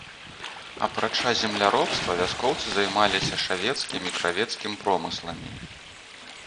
Апрача земляробства вяскоўцы займаліся шавецкім і кравецкім промысламі.